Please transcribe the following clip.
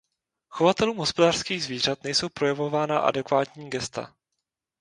Chovatelům hospodářských zvířat nejsou projevována adekvátní gesta.